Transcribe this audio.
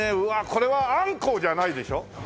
これはアンコウじゃないでしょ？